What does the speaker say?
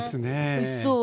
おいしそう。